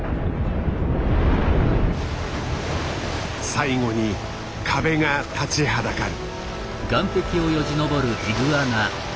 最後に壁が立ちはだかる。